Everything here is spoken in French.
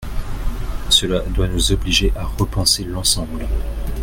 Cela doit nous obliger à repenser l’ensemble.